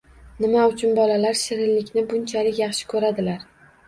Nima uchun bolalar shirinlikni bunchalik yaxshi ko‘radilar?